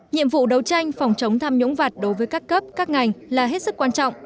nhiệm vụ đấu tranh phòng chống tham nhũng vặt đối với các cấp các ngành là hết sức quan trọng